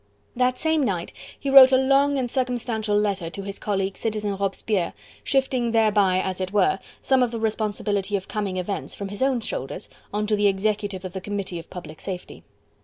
That same night he wrote a long and circumstantial letter to his colleague, Citizen Robespierre, shifting thereby, as it were, some of the responsibility of coming events from his own shoulders on to the executive of the Committee of Public Safety.